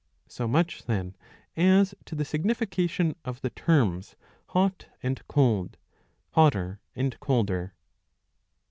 So much then as to the signification of the terms hot and cold, hotter and colder.